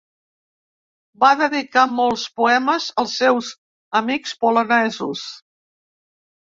Va dedicar molts poemes als seus amics polonesos.